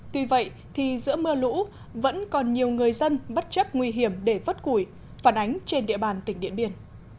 tuy vậy thì giữa mưa lũ vẫn còn nhiều người dân bất chấp nguy hiểm để vớt củi phản ánh trên địa bàn tỉnh điện biên